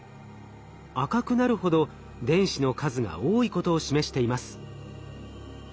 赤くなるほど電子の数が多いことを示しています。